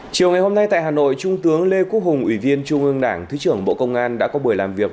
chiều ngày hôm nay tại hà nội trung tướng lê quốc hùng ủy viên trung ương đảng thứ trưởng bộ công an đã có buổi làm việc